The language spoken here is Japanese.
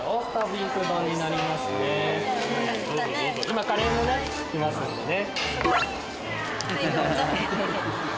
今カレーもね来ますんでね。